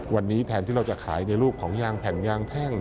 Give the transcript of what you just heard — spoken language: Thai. วันนี้แทนที่เราจะขายในรูปของยางแผ่นยางแพ่ง